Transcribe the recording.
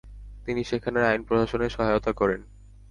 তিনি সেখানের আইন প্রশাসনে সহায়তা করেন।